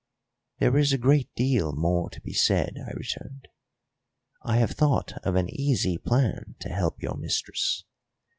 "There is a great deal more to be said," I returned. "I have thought of an easy plan to help your mistress.